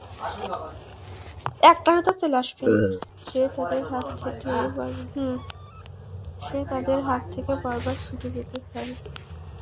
সে তাদের হাত থেকে বারবার ছুটে যেতে চায়।